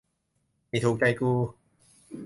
นี่ถูกใจกู